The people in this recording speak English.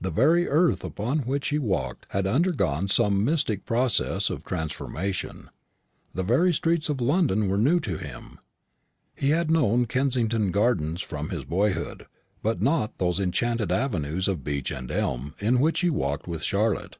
The very earth upon which he walked had undergone some mystic process of transformation; the very streets of London were new to him. He had known Kensington gardens from his boyhood; but not those enchanted avenues of beech and elm in which he walked with Charlotte.